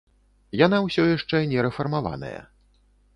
Яна ўсё яшчэ не рэфармаваная.